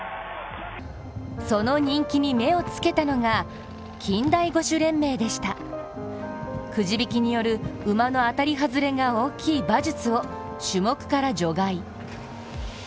その人気に目をつけたのが近代五種連盟でしたくじ引きによる馬の当たり外れが大きい馬術を種目から除外。